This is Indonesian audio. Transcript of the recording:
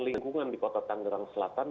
lingkungan di kota tanggerang selatan